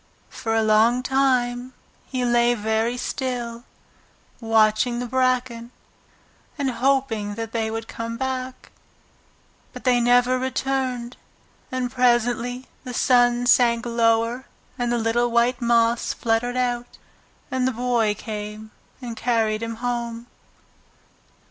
For a long time he lay very still, watching the bracken, and hoping that they would come back. But they never returned, and presently the sun sank lower and the little white moths fluttered out, and the Boy came and carried him home.